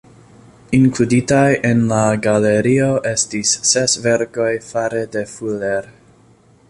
Inkluditaj en la galerio estis ses verkoj fare de Fuller.